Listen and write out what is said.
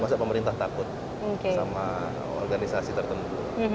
masa pemerintah takut sama organisasi tertentu